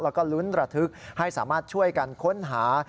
แล้วก็ลุ้นระทึกให้สามารถช่วยกันค้นหา